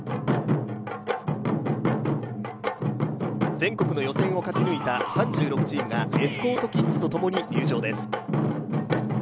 全国の予選を勝ち抜いた３６チームがエスコートキッズと共に入場です。